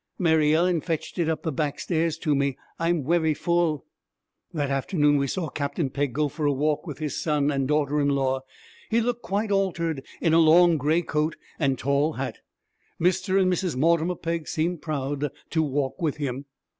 'Mary Ellen fetched it up the back stairs to me. I'm vewy full.' That afternoon we saw Captain Pegg go for a walk with his son and daughter in law. He looked quite altered in a long gray coat and tall hat. Mr. and Mrs. Mortimer Pegg seemed proud to walk with him.